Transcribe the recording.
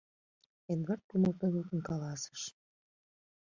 — Эдвард кумыл тодылтын каласыш.